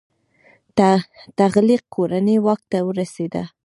تغلق کورنۍ واک ته ورسیده.